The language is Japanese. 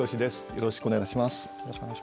よろしくお願いします。